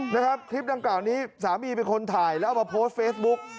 นะครับคลิปดังกล่าวนี้สามีเป็นคนถ่ายแล้วเอามาโพสต์เฟซบุ๊ก